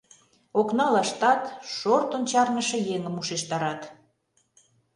Окналаштат шортын чарныше еҥым ушештарат.